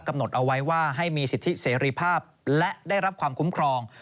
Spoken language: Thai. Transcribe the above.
กำหนดเอาไว้ว่าให้มีสิทธิเสรีภาพและได้รับความคุ้มครอง